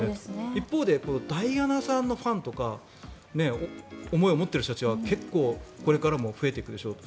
一方でダイアナさんのファンとか思いを持っている人たちは結構、これからも増えていくでしょう。